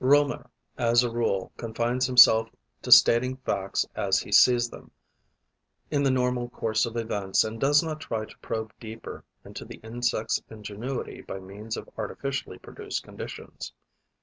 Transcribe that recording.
Reaumur, as a rule, confines himself to stating facts as he sees them in the normal course of events and does not try to probe deeper into the insect's ingenuity by means of artificially produced conditions.